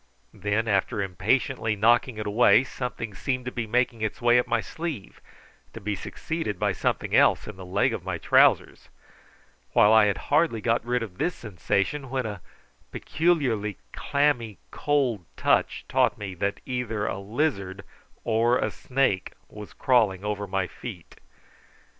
Then after impatiently knocking it away, something seemed to be making its way up my sleeve, to be succeeded by something else in the leg of my trousers, while I had hardly got rid of this sensation when a peculiarly clammy cold touch taught me that either a lizard or a snake was crawling over my feet.